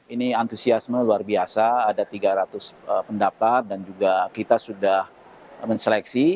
ini antusiasme luar biasa ada tiga ratus pendaftar dan juga kita sudah menseleksi